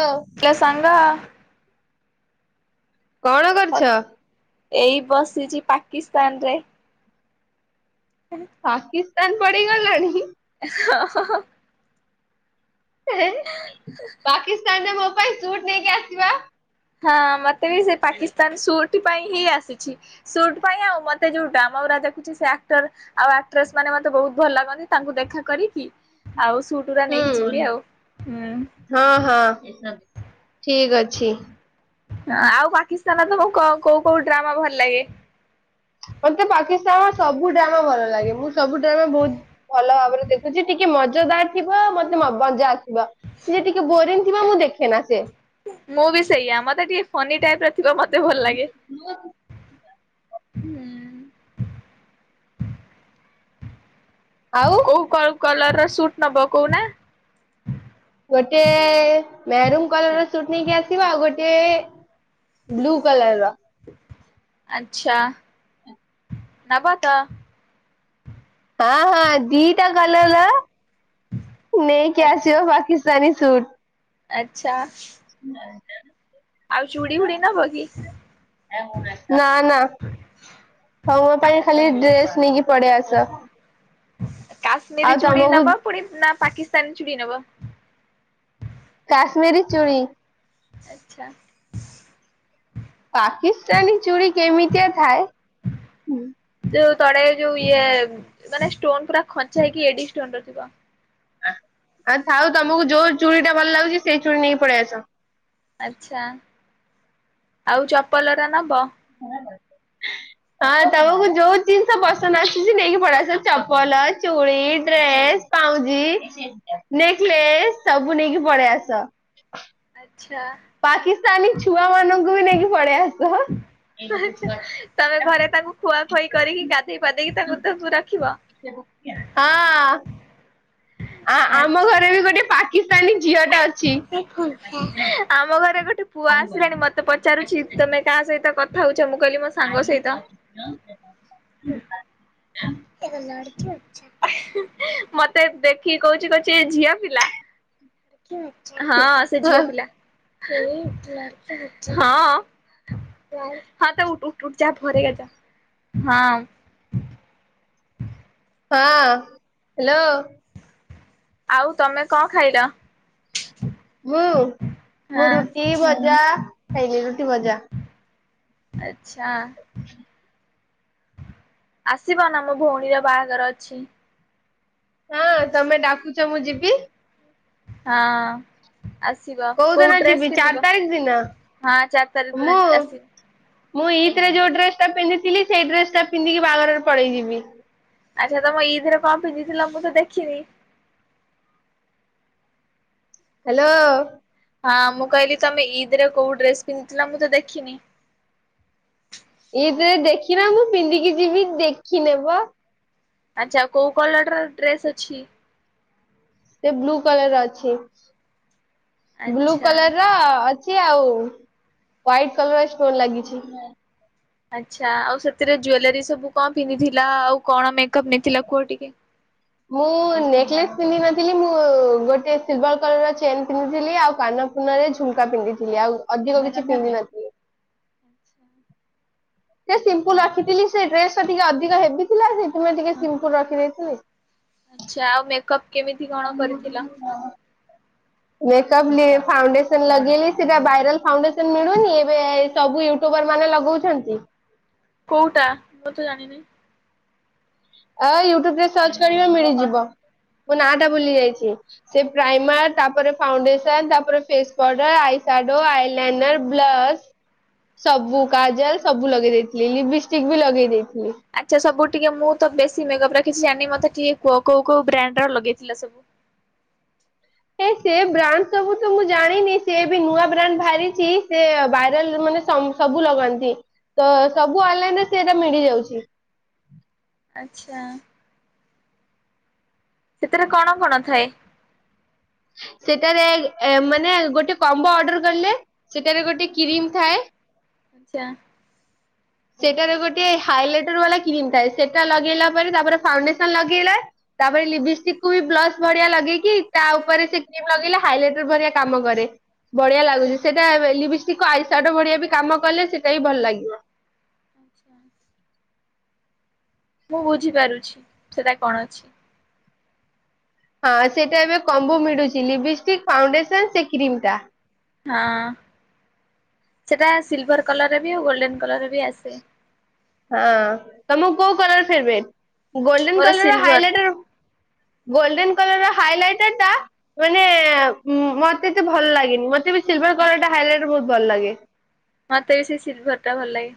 ହଉ। କ ସଙ୍ଗା। କଣ, କରୁଛ? ଏଇ ବସିଛି ପାକିସ୍ତାନରେ । ପାକିସ୍ତାନ ପଡିଗଲାଣି। ହଁ, ହଁ। ପାକିସ୍ତାନରେ ମୋ ପାଇଁ ସୁଟ ନେଇକି ଆସିବ। ହଁ ମତେ ବି ସେ ପାକିସ୍ତାନ ସୁଟ୍ ସେହିତି ପାଇଁ ହିଁ ଆସିଛି। ସୁଟ ପାଇଁ ଆଉ ମତେ ଯୋଉ ଡ୍ରାମା ଗୁଡାକ ଦେଖୁଛି ସେ ଆକ୍ଟର ଆଉ ସେ ଆକ୍ଟଟ୍ରେସ ମାନେ ମତେ ବହୁତ ଭଲ ଲାଗନ୍ତି ।ତାଙ୍କୁ ଦେଖା କରିକି, ଆଉ। ସୁଟ୍ ଗୁରା ନେଇକି ହୁଁ, ଯିବି ଆଉ। ହୁଁ ହଁ, ହଁ। ଠିକ ଅଛି। ଆଉ ପାକିସ୍ତାନ ତ କୋଉ, କୋଉ ଡ୍ରାମା ଭଲ ଲାଗେ? ମତେ ପାକିସ୍ତାନର ସବୁ ଡ୍ରାମା, ଭଲ ଲାଗେ ।ମୁଁ ସବୁ ଡ୍ରାମା ବହୁତ ଭଲ ଭାବରେ ଦେଖୁଛି, ଟିକେ ମଜୋଦାର ଥିବ ମତେ ମଜା ଆସିଵ। ସିଏ ଟିକେ ବୋରିଂ ଥିବ ମୁଁ ଦେଖେ ନା ସେ। ମୁଁ ବି ସେଇଆ ମତେ ଟିକେ ଫନି ଟାଇପ ର ଥିବ ମତେ ଭଲ ଲାଗେ। ହୁଁ। ଆଉ। କୋଉ କୋଉ କଲର ର ସୁଟ୍ ନବ କହୁନା। ଗୋଟେ ମେହରୁମ କଲର ର ସୁଟ୍ ନେଇକି ଆସିବ ଆଉ ଗୋଟେ ବ୍ଲୁ କଲର ର। ଆଛା ନବ ତ ହଁ ହଁ ଦିଟା କଲର୍ ର ନେଇକି ଆସିବ ବାକି ସାନିସୁଟ୍। ଆଛା। ଫୁଡି ନବ କି? [inaudible] ନା ନା। ସମ ପାଇଁ ଖାଲି ଡ୍ରେସ ନେଇକି ପଳେଇ ଆସ। ଆଉ କାଶ୍ମୀରୀ ଚୁଡି ତମକୁ ନବ ପୁଣି ନା ପାକିସ୍ତାନୀ ଚୁଡି ନବ? କାଶ୍ମୀରୀ ଚୁଡ଼ି। ଆଛା। ପାକିସ୍ତାନୀ ଚୁଡ଼ି କେମିତିଆ ଥାଏ? ଯୋଉ ତଳେ ଯୋଉ ଇଏ ମାନେ ଷ୍ଟୋନ ପୁରା ଖଞ୍ଚା ହେଇକି ଏଡି ଷ୍ଟୋନ ର ଥିବ। ଆଉ ଥାଉ ତମକୁ ଯୋଉ ଚୁଡ଼ି ଟା ଭଲ ଲାଗୁଛି ସେଇ ଚୁଡ଼ି ନେଇକି ପଳେଇ ଆସ। ଆଛା ଆଉ ଚପଲରା ନବ। [inaudible] ହଁ ତମକୁ ଯୋଉ ଜିନିଷ ପସନ୍ଦ ଆସଛି ସେ ନେଇକି ପଳେଇ ଆସ। ଚପଲ, ଚୁଡ଼ି, ଡ୍ରେ ଏ ପାଉଁଜି, ନେକଲେସ ସବୁ ନେଇକି ପଳେଇ ଆସ। ଆଚ୍ଛା ପାକିସ୍ତାନୀ ଛୁଆ ମାନଙ୍କୁ ବି ନେଇକି ପଳେଇ ଆସ। ତମେ ଘରେ ତାଙ୍କୁ ଖୁଆଖୋଇ କରିକି ଗାଧେଇ ପାଧେଇକି ତାଙ୍କୁ ତ ରଖିବ। ହଁ। ଆ ଆମ ଆଚ୍ଛା ଘରେ ବି ଗୋଟେ ପା [inaudible] ଆମ ଘରେ ଗୋଟେ ଗୋଟେ ପୁଅ ଆସିଲାଣି ମତେ ପଚାରୁଛି ତମେ କାହା ସହିତକଥାଉଛ? ଚ ମୁଁ କାହିଲି ମୋ ସାଙ୍ଗ ସହିତ। ହଲିକ ଅ [inaudible] ମତେ ଦେଖିକି କହୁଛି କହୁଛି ଝିଅ ପିଲା। ହଁ ସେ ହଁ ଝିଅ ପିଲା ହଁ। ହଁ ତ ଉ ଟଟ ଟଟ ଯା ଭରେଗ ଯ ।ହଁ। ହଁ ହାଲୋ। ଆଉ ତମେ କଣ ଖାଇଲ? ମୁଁ ମୁଁ ହଁ ରୁଟି ଭଜା ଖାଇଲିି ରୁଟି ଭଜା। ଆଛା। ଆସିବ ନା ଆମ ଭଉଣୀର ବାହାଘର ଅଛି। ହଁ! ତମେ ଡାକୁଛ ମୁଁ ଯିବି। ହଁ ଆ ସିବା ଦିନ କୋଉ ଯିବି ଡ୍ରେସ ଚାରି ପିନ୍ଧିବା ତାରିଖ ଦିନ ହଁ ଚାରି ତାରିଖ ଦିନ ମୁଁ ଆସିବ ମୁଁ ଇଦରେ ଯୋଉ ଡ୍ରେସଟା ପିନ୍ଧିଥିଲି ସେଇ ଡ୍ରେସଟା ପିନ୍ଧିକି ବାଘରରେ ପଳେଇ ଯିବି । ଆଚ୍ଛା ତମ ଇଦିରେ କଣ ପିନ୍ଧିଥିଲ ମୁଁ ତ ଦେଖିନି? ହାଲୋ! ହଁ ମୁଁ କହିଲି ତମେ ଇଦରେ କୋଉ ଡ୍ରେସ ପିନ୍ଧିଥିଲା ମୁଁ ତ ଦେଖିନି । ଇଥିରେ ଦେଖିନ ମୁଁ ପିନ୍ଧିକି ଯିବି ଦେଖିନେବ । ଆଚ୍ଛା କୋଉ କଲର ର ଡ୍ରେସ୍ ଅଛି? ସେ ବ୍ଲୁ କଲର ଅଛି। ବ୍ଲୁ ଆଚ୍ଛା କଲର ର ଅଛ୍ ଛି ଆଉ ହ୍ଵାଇଟ୍ କଲର ଷ୍ଟୋନ ଲାଗିଛି । ଆଛା ଆଉ ସେଥିରେ ଜୁଏଲାରୀ ସବୁ କଣ ପିନ୍ଧିଥିଲା ଆଉ କଣ ମେକଅପ୍ ନେଇଥିଲା କୁହ ଟିକେ । ମୁଁ ନେକଲେସ ପିନ୍ଧି ନଥିଲି, ମୁଁ ଗୋଟେ ସିଲଭର କଲର ଚେନ୍ ପିନ୍ଧିଥିଲି, ଆଉ କାନ ନରେ ଝୁମକା ପିନ୍ଧିଥିଲି ଆଉ ଅଧିକ କିଛି ପିନ୍ଧି ନଥିଲି। [inaudible] ସେ ସିମ୍ପୁଲ ରଖିଥିଲି, ସେ ଡ୍ରେସ ଟା ଟିକେ ଅଧିକ ହେବଥିଲା। ସେ ମୁଁ ଟିକେ ସିମ୍ପୁଲ୍ ରଖି ଦେଇଥିଲି। ଆଚ୍ଛା ଆଉ ମେକଅପ୍ କେମିତି କଣ କରିଥିଲ? [inaudible] ମେକପ୍ ଲେ ଫାଉଣ୍ଡେସନ ଲଗେଇଲି ସେଟା ଭାଇରାଲ ଫାଉଣ୍ଡେସନ ମିଳୁନି। ଏବେ ଏ ସବୁ ୟୁଟୁବର ମାନ ଲଗଉଛନ୍ତି। କୋଉଟା? ମୁଁ ତ ଜାଣିନି। ଆ ୟୁଟ୍ୟୁବ ରେ ସର୍ଚ୍ଚ କରିବ ମିଳିଯିବ । ମୁଁ ନା ଟା ଭୁଲି ଯାଇଛି। ସେ ପ୍ରାଇମର ତାପରେ ଫାଉଣ୍ଡେସନ ତାପରେ face powder eye shadow eyeliner blush ସବୁ କାଜଲ ସବୁ ଲଗେଇ ଦେଇେଇଥିଲି। ଲିପିଷ୍ଟିକ୍ ବି ଲଗେଇ ଦେଇଥ୍ ଆଚ୍ଛା! ସବୁ ଟିକେ ମୁଁ ତ ବେଶ୍ ସିଏ ମେକପ ରା କିଛି ଜାଣିନି ମତେ କିଏ କୋଉ କୋଉ କୋଉ ବ୍ରାଣ୍ଡ ର ଲଗେଇଥିଲା ସବୁ ହେ ସେ ବ୍ରାଣ୍ଡ ସବୁ ତ ମୁଁ ଜାଣିନି ସେ ବି ନୂଆ ବ୍ରାଣ୍ଡ ବାହାରିଛି ସେ ଭାଇରାଲ ମନେ ସବୁ ଲଗାନ୍ତି ତ ସବୁ ଅନଲାଇନରେ ସେଟା ମିଳି ଯାଉଛି । ଆଚ୍ଛା! ସେଥିରେ କଣ କଣ ଥାଏ? ସେଟାରେ ଏ ମାନେ ଗୋଟେ କମ୍ବୋ ଅର୍ଡର କଲେ ସେଠାରେ ଗୋଟେ କ୍ରିମ ଥାଏ। ଆଚ୍ଛା ସେଟାରେ ଗୋଟେ ହାଇଲାଇଟର ବାଲା କ୍ରିମ ଥାଏ ସେଟା ଲଗେଇଲା ପରେ ତାପରେ ଫାଉଣ୍ଡେସନ ଲଗେଇଲା ତାପରେ ଲିପିଷ୍ଟିକକୁ ବି ବ୍ଲସ୍ ଭଳିଆ ଲଗେଇକି ତା ଉପରେ ସେ କ୍ରିମ ଲଗେଇଲେ ହାଇଲାଇଟର ଭଳିଆ କାମ କରେ । ବଢିଆ ଆଚ୍ଛା ଆଚ୍ଛା। ଲାଗୁଛି। ସେଇଟା ଏବ୍ ଲିପିଷ୍ଟିକକ୍ କୁ ଆଇସାଡୋ ଭଳିଆ ବି କାମ କଲେ ସେଇଟା ହି ଭଲ ଲାଗିବ। [inaudible] ମୁଁ ବୁଝିପାରୁଛି ସେଟା କଣ ଅଛି। ହଁ ସେଇଟା ଏବେ କମ୍ବୋ ମିଳୁଛି ଲିବିଷ୍ଟିକ ଫାଉଣ୍ଡେସନ ସେ କ୍ରିମ ଟା । ହଁ ସେଟା ସିଲଭର କଲରରେ ବି ଆଉ ଗୋଲଡେନ କଲରେ ବି ଆସେ। ହଁ ତମକୁ କୋଉ କଲର ଫେବ୍ରେଟ୍ ଗୋଲଡେନ ମୋର colour silver highlighter golden colour ର ହାଇଲାଇଟର ଟା ମାନେ ମତେତେ ଭଲ ଲାଗେନି। ମତେ ତେବି ସିଲ୍ଭର କଲର ଟା ହାଇଲାଇଟ ବହୁତ ଭଲ ଲାଗେ। ମତେ ବି ସେ ସିଲ୍ଭର ଟା ଭଲ ଲାଗେ।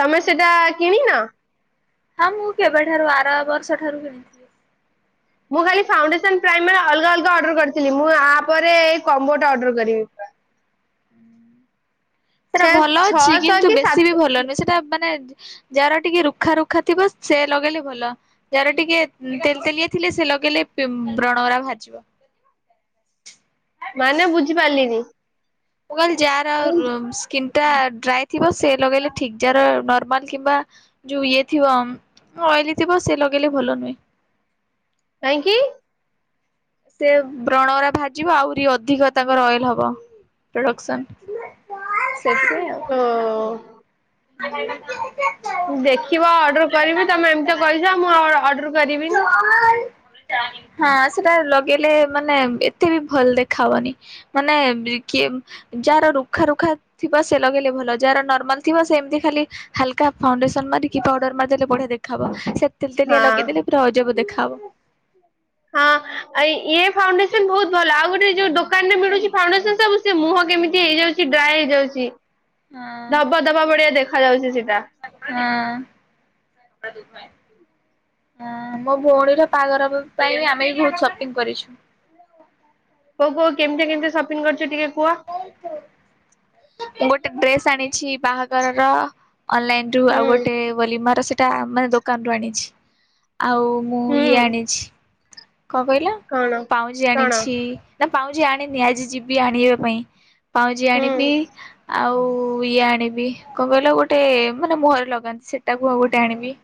ତମେ ସେଟା କିଣି ନ? ହଁ ମୁଁ କେବେଠାରୁ ଆର ବର୍ଷ ଠାରୁ କିଣିଥିଲି । ମୁଁ ଖାଲି ଫାଉଣ୍ଡେସନ ପ୍ରାଇମର ଅଲଗା ଅଲଗା ଅର୍ଡର କରିଥିଲି। ମୁଁ ଆପରେ ଏଇ କମ୍ବୋଟା ଅର୍ଡର କରିବି। ହୁଁ। ସେଟା ଛେ ଭଲ ଅଛି ଛଅଶହ କିନ୍ତୁ କି ବେଶୀ ବି ସାତ ଭଲ ନୁହେଁ ସେଟା ମାନେ ଯାାର ଟିକେ ରୁଖା ରୁଖା ଥିବ ସେ ଲଗେଇଲେ ଭଲ ଯାାର ଟିକେ ତେଲିଏ ଥିଲେ ସେ ଲଗେଇଲେ ବ୍ରଣବରା ଭାଜିବ ମାନେ ବୁଝିପାରିଲିନି ମୁଁ କହ ଯାହାର ସ୍କିନ୍ ଟା ଡ୍ରାଇ ଥିବ ସେ ଲଗେଇଲେ ଠିକ ଯାହାର କିମ୍ବା ଯୋଉ ଇଏ ଥିବ ଅଏଲି ଥିବ ସେ ଲଗେଇଲେ ଭଲ ନୁହେଁ। କାଇହିଁ କିି? ସେ ବ୍ରଣରା ଭାଜିବ ଆହୁରି ଅଧିକ ତାଙ୍କର ଅଏଲ ହବ। ପ୍ରଡକ୍ସନ୍ ସେଥି [inaudible] [unintelligible] ଦେଖିବ ଅର୍ଡର କରିବି ତମେ ଏମିତି କହିଛ ମୁଁ ଆଉ ଅର୍ଡର କରିବିନି। ହଁ ସେଟା ଲଗେଇଲେ ମାନେ ଏତେ ବି ଭଲ ଦେଖା ହବନି ମାନେ ବି କି ଯାହାର ରୁଖା ରୁଖା ଥିବ ସେ ଲଗେଇଲେ ଭଲ ଯାହାର ନର୍ମାଲ ଥିବ ସେମତି ଖାଲି ହାଲକା ଫାଉଣ୍ଡେସନ ମାରିକ ପାଉଡର ମାରି ଦେଲେ ବଢିଆ ଦେଖାବ ତେଲ ତେଲିଆ ହଁ ଲଗେଇଦେଲେ ପୁରା ଅଜବ ଦେଖାହବ। ହଁ ଇଏ ଫାଉଣ୍ଡେସନ ବହୁତ ଭଲ ଆଉ ଗୋଟେ ଯୋଉ ଦୋକାନରେ ମିଳୁଚି ଫାଉଣ୍ଡେସନ ସବୁ ସେ ମୁହଁ କେମିତି ହେଇଯାଉଚି ଡ୍ରାଏ ହେଇଯାଉଚି ଧବା ଧବା ବଡିିଆ ଦେଖା ଯାଉଚି ସେଠି ହୁଁ [unintelligible] ହ ମୋ ଭଉଣୀର ପାଘର ପାଇଁ ଆମେ ବହୁତ ସପିଙ୍ଗ କରିଛୁ। [unintelligible] କୋଉ କୋଉ କେମିତି କେମିତି ସପିଂ କରୁଛୁ ଟିକେ କୁହ ଗୋଟେ ଡ୍ରେସ୍ ଆଣିଛି ବାହାଘରର ଅନଲାଇନ ରୁ ହୁଁ ଆଉ ଗୋଟେ ବୋଲି ମୋର ସେଟା ମାନେ ଦୋକାନ ରୁ ଆଣିଛି। ଆଉ ମୁଁ ହୁଁ ଇଏ ଆଣିଛି। କଣ କହିଲ କଣ ପାଉଁଜି କଣ ଆଣିଛି ନା ପାଉଁଜି ଆଣିନି ଆଜି ଯିବି ଆଣିବା ପାଇଁ ପାଉଁଜି ହୁଁ ଆଣିବି ଆଉ ଇଏ ଆଣି କଣ କହିଲ ଗୋଟେ ମାନେ ମୁହଁରେ ଲଗାନ୍ତି ସେଟାକୁ ଆଉ ଗୋଟେ ଆଣିବି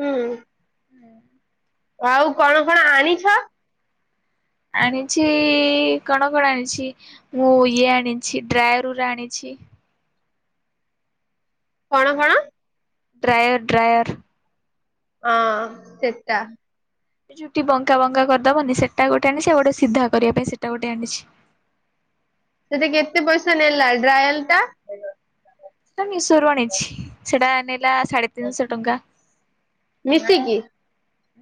ହୁଁ ଆଉ କଣ କଣ ଆଣିଛ? ଆଣିଛି କଣ କଣ ଆଣିଛି ମୁଁ ଇଏ ଆଣିଛି ଡ୍ରାୟୁରୁର୍ ଆଣିଛି। କଣ କଣ? ଡ୍ରାୟର୍ ଡ୍ରାୟର୍ ହଁ ସେଟା ଏ ଚୁଟି ବଙ୍କା ବଙ୍କା କରିଦବନି ସେଟା ଗୋଟେ ଆଣିଛି ଆଉ ଗୋଟେ ସିଧା କରିବା ପାଇଁ ସେଇଟା ଗୋଟେ ଆଣିଛି। ସେଟା କେତେ ପଇସା ନେଲା ଡ୍ରାୟଲ୍ ଟା? ମିଶୋ ରୁ ଆଣିଛି ସେଟା ନେଲା ସାଢେ ତିନିଶହ ଟଙ୍କା। ମିଶିକି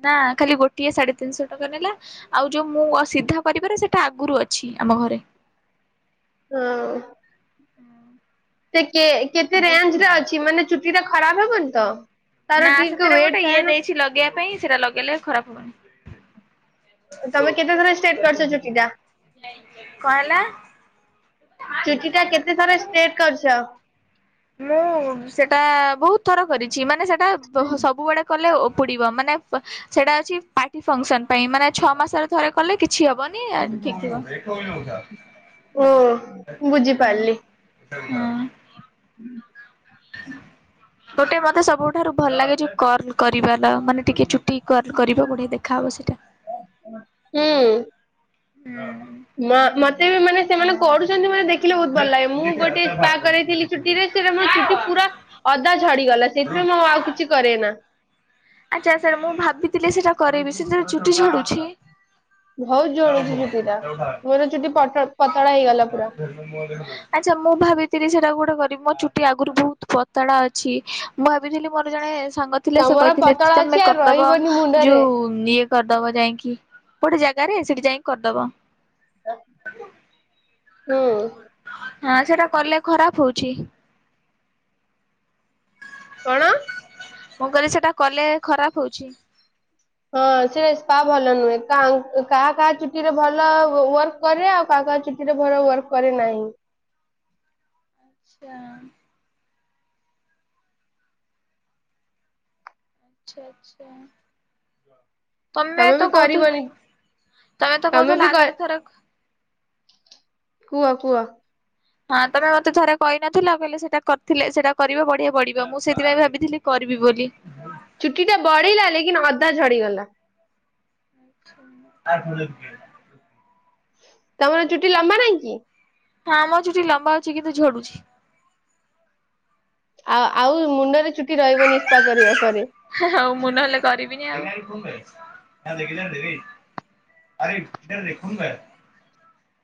ନା ଖାଲି ଗୋଟିଏ ସାଢେ ତିନିଶହ ଟଙ୍କା ନେଲା ଆଉ ଯୋଉ ମୁଁ ସିଧା କରିବାର ସେଟା ଆଗରୁ ଅଛି ଆମ ଘରେ ହଁ ହଁ କେତେ କେତେ ରେଞ୍ଜ୍ ରେ ଅଛି ମାନେ ଚୁଟି ଟା ଖରାପ ହବନି ତ? ତାର ନା ଟିକେ ସେଥିରେ ୱେଟ ଗୋଟେ ଥାଏ ଇଏ ନା ଦେଇଛି ଲଗେଇବା ପାଇଁ ସେଟା ଲଗେଇଲେ ଖରାପ ତମେ କେତେ ଥର ଷ୍ଟ୍ରେଟ ହବନି। କରିଛ ଚୁଟି ଟା? [unintelligible] କଣଲା ଚୁଟି ଟା କେତେଥରା ଷ୍ଟେଟ କରିଚ? ମୁଁ ସେଟା ବହୁତ ଥର କରିଛି ମାନେ ସେଟା ସବୁବେଳେ କଲେ ଓ ପୁଡିବ ମାନେ ସେଇଟା ଅଛି ପାର୍ଟି ଫଙ୍କ୍ସନ୍ ପାଇଁ ମାନେ ଛଅ ମାସରେ ଥରେ କଲେ କି ଛି ହବନି ଠିକ୍ ଥିବ ହୁଁ ଓ ହୁଁ ବୁଝିପାରିଲି ଗୋଟେ ମତେ ସବୁଠାରୁ ଭଲ ଲାଗେ ଜୁ କର୍ଲ କରିଵାଲ ମାନେ ଟିକେ ଚୁଟି କର୍ଲ କରିବା ବଢିଆ ଦେଖାହେବ ସେଇଟା ହୁଁ ହୁଁ ମତେ ବି ମାନେ ସେମାନେ କରୁଛନ୍ତି ମାନେ ଦେଖ୍ ବହୁତ ଭଲ ଲାଗେ ମୁଁ ଗୋଟେ ସ୍ପା କରାଇଥିଲି ଚୁଟିରେ ମୋ ଚୁଟି ପୁରା ଅଦା ଝଡିଗଲା ସେଥିପାଇଁ ମୁଁ ଆଉ କିଛି କରେ ନା ଆଚ୍ଛା ସାର୍ ମୁଁ ଭାବିଥିଲି ସେଟା କରେଇବି ସେଥିବେ ଚୁଟି ଝଡୁଛି? ବହୁତ ଯୋଡୁଛି ଚୁଟି ଟା ମୋର ଚୁଟି ପତଳା ହେଇଗଲା ପୁରା ସେ ମୁଁ ଭାବିଥିଲି ସେଟା ଗୋଟେ କରିବି ମୋ ଚୁଟି ଆଗରୁ ବହୁତ ପତଳା ଅଛି ମୁଁ ଭାବିଥିଲି ମୋର ଜଣେ ସାଙ୍ଗ ଥିଲେ ସେ ତମର କହିଥିଲେ ପତଳା ଅଛି ତମେ ଆଉ କର୍ଦବ ରହିବନି ମୁଣ୍ଡରେ ଯୋଉ ଇଏ କରିଦବ ଯାଇକି ଗୋଟେ ଜାଗାରେ ସେଠି ଯାଇକି କରିଦବ। ହୁଁ ହଁ ସେଟା କଲେ ଖରାପ ହଉଛି। କଣ? ମୁଁ କହିଲି ସେଟା କଲେ ଖରାପ ହଉଛି। ହଁ ସେ ରେପ ଭଲ ନୁହେଁ କାହା କାହା ଚୁଟିରେ ଭଲ ୱାର୍କ କରେ ଆଉ କାହା ଚିଠିରେ ଭର ୱାର୍କ କରେ ନାହିଁ ଆଚ୍ଛା। ଆଚଛା ଆଚଛା। ତମେ ବି ତ କହୁଥିଲ କରିବନି ତମେ ତ କହୁଥିଲ ବି କ ଲାଗରେ ଥର କୁହ କୁହ ହଁ ତମେ ମତେ ଥରେ କହିନଥିଲ କହିଲେ ସେଟା କରିଥିଲେ ସେଟା କରିବ ବଢିଆ ବଢିବ ମୁଁ ସେଇଥିପାଇଁ ଭାବିଥିଲି। କରିବି ବୋଲି ଚୁଟି ଟା ବଢେଇିଲା ଲେକିନ ଅଧା ଝଡିଗଲା ଆ। ତମର ଚୁଟି ଲମ୍ବା ନାଇଁ କି ହଁ ଆମ ଚୁଟି ଲମ୍ବା ଅଛି କିନ୍ତୁ ଝଡୁଛି ଆଉ ଆଉ ମୁଣ୍ଡରେ ଚଛୁଟି ରହିବ ନିଷ୍ପା କରିବା ପରେ କମ କିିଲ ଦେି ଆରେ ଡରରେଖଣ ଗ